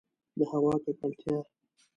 د هوا ککړتیا